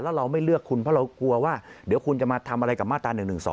แล้วเราไม่เลือกคุณเพราะเรากลัวว่าเดี๋ยวคุณจะมาทำอะไรกับมาตรา๑๑๒